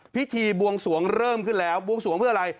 พิธีบวงสวงเริ่มขึ้นแล้วบวงสวงเพื่ออะไร